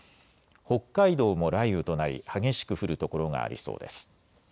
北海道も雷雨となり激しく降る所がありそうです。